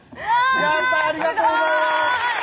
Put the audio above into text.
やったありがとうございます